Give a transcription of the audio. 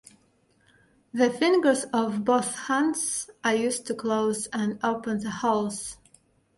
The fingers of both hands are used to close and open the holes.